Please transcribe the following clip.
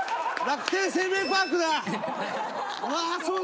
楽天生命パークだ！」